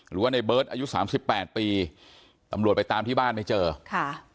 หรือว่าในเบิร์ตอายุสามสิบแปดปีตำรวจไปตามที่บ้านไม่เจอค่ะ